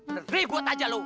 negeri buat aja lu